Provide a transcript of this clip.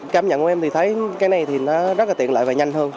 cảm nhận của em thì thấy cái này thì nó rất là tiện